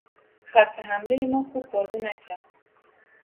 خط حملهی ما خوب بازی نکرد.